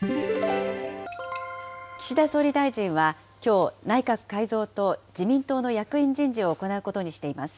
岸田総理大臣は、きょう、内閣改造と自民党の役員人事を行うことにしています。